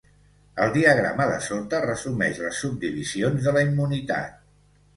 El diagrama de sota resumeix les subdivisions de la immunitat.